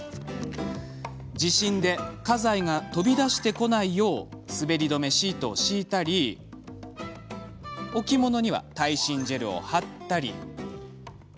地震で家財が飛び出してこないよう滑り止めシートを敷いたり置物には耐震ジェルを貼ったり。